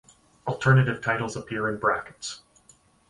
Alternative titles appear in brackets.